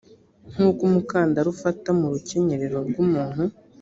nk uko umukandara ufata mu rukenyerero rw umuntu